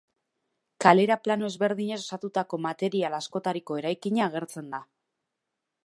Kalera plano ezberdinez osatutako material askotariko eraikina agertzen da.